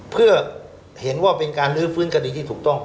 เพื่อเห็นว่าเป็นการลื้อฟื้นคดีที่ถูกต้อง